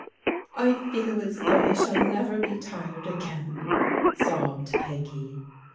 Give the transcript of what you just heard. " I feel as though I shall never be tired again," sobbed Peggy.